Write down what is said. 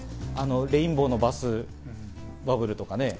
レインボーのバスバブルとか。